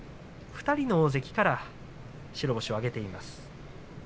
２人の大関から白星を挙げています。